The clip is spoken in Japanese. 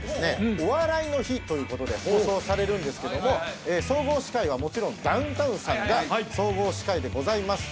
「お笑いの日」ということで放送されるんですけども総合司会はもちろんダウンタウンさんが総合司会でございます